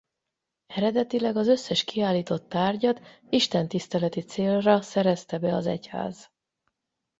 Eredetileg az összes kiállított tárgyat istentiszteleti célra szerezte be az Egyház.